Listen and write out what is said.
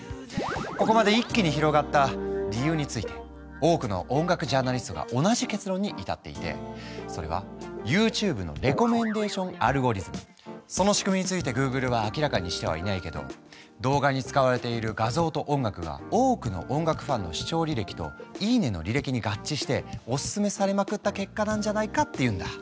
ここまで一気に広がった理由について多くの音楽ジャーナリストが同じ結論に至っていてそれはＹｏｕＴｕｂｅのその仕組みについてグーグルは明らかにしてはいないけど動画に使われている画像と音楽が多くの音楽ファンの視聴履歴といいねの履歴に合致しておすすめされまくった結果なんじゃないかっていうんだ。